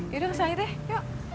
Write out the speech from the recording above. yudah langsung aja deh yuk